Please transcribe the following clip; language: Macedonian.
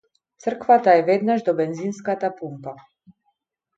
Црквата е веднаш до бензинската пумпа.